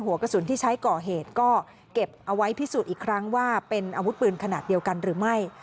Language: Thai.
หัวกระสุนที่ใช้ก่อเหตุก็เก็บเอาไว้พิสูจน์อีกครั้งว่าเป็นอาวุธปืนขนาดเดียวกันหรือไม่